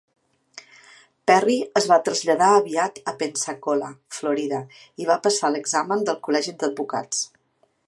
Perry es va traslladar aviat a Pensacola, Florida, i va passar l'examen del col·legi d'advocats.